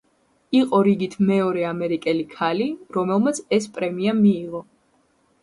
იყო რიგით მეორე ამერიკელი ქალი, რომელმაც ეს პრემია მიიღო.